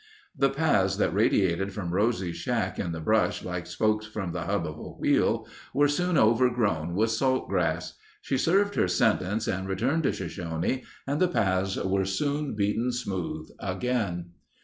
The paths that radiated from Rosie's shack in the brush like spokes from the hub of a wheel, were soon overgrown with salt grass. She served her sentence and returned to Shoshone and the paths were soon beaten smooth again.